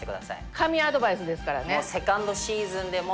神アドバイスですからね。